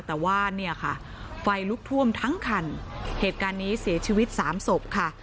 แต่ว่าเนี่ยค่ะไฟลุกท่วมทั้งคันเหตุการณ์นี้เสียชีวิตสามศพค่ะ